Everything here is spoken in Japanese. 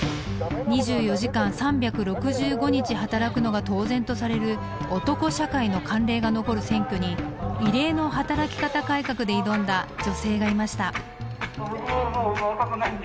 ２４時間３６５日働くのが当然とされる男社会の慣例が残る選挙に異例の働き方改革で挑んだ女性がいました。